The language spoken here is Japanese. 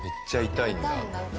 痛いんだ。